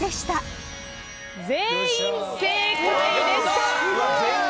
全員正解でした！